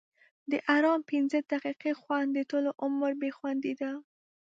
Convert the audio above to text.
د حرام پنځه دقیقې خوند؛ د ټولو عمر بې خوندي ده.